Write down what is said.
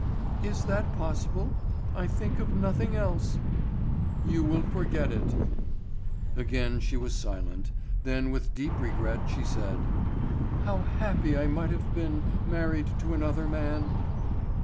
"Is that possible? I think of nothing else." "You will forget it." Again she was silent; then with deep regret she said: "How happy I might have been, married to another man!"